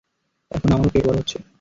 এখন আমারও পেট বড়ো হচ্ছে।